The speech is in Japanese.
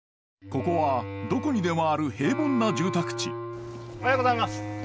ここはどこにでもある平凡な住宅地おはようございます。